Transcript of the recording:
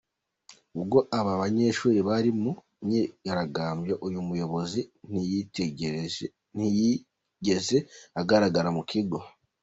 Ubwo aba banyeshuri bari mu myigaragambyo, uyu muyobozi ntiyigeze agaragara mu kigo.